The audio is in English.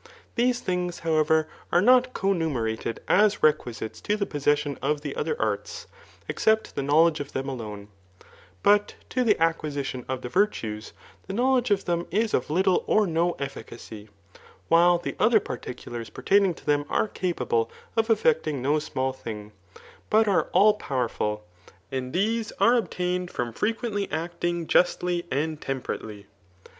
These things^ haw&ret^ are nof ^onnomeiated as requi^te$ to the possession of the other ^ixis^ except the knowledge of them alone^ But to the acquisition of the virtues, the knowledge of theoti h of little or no efficacy, while the other particulars pertaining to them are capable of effecting no small things but are all powerful; and these are, obtsu|led from frequently acting justly and temperately.